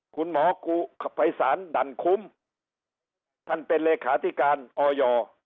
คุณหมอกูภัยศาลดั่นคุ้มท่านเป็นเลขาธิการออย